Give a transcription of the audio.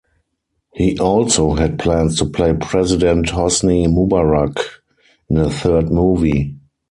He also had plans to play president Hosni Mubarak in a third movie.